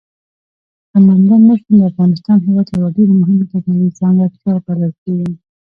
سمندر نه شتون د افغانستان هېواد یوه ډېره مهمه طبیعي ځانګړتیا بلل کېږي.